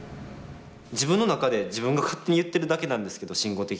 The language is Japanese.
自分の中で自分が勝手に言ってるだけなんですけど慎吾的には。